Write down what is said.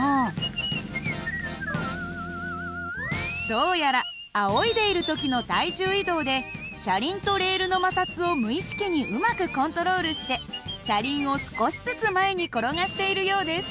どうやらあおいでいる時の体重移動で車輪とレールの摩擦を無意識にうまくコントロールして車輪を少しずつ前に転がしているようです。